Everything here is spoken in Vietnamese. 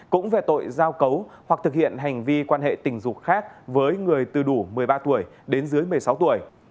cũng về tội giao cấu hoặc thực hiện hành vi quan hệ tình dục khác với người từ đủ một mươi ba tuổi đến dưới một mươi sáu tuổi